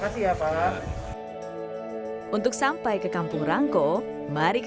lelahnya berjalan kaki terbayarkan dengan pemandangan pantai yang luar biasa